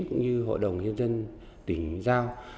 cũng như hội đồng nhân dân tỉnh giao